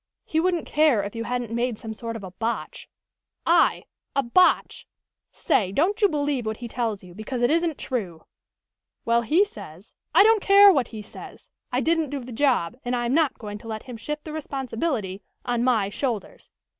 "He wouldn't care if you hadn't made some sort of a botch " "I? A botch? Say, don't you believe what he tells you, because it isn't true!" "Well, he says " "I don't care what he says. I didn't do the job, and I am not going to let him shift the responsibility on my shoulders.